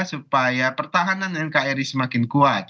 supaya pertahanan nkri semakin kuat